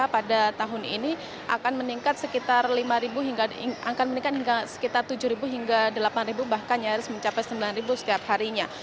pada tahun ini akan meningkat sekitar tujuh hingga delapan bahkan nyaris mencapai sembilan ribu setiap harinya